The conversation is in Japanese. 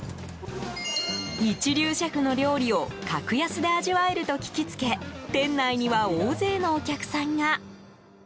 一流シェフの料理を格安で味わえると聞きつけ店内には大勢のお客さんが。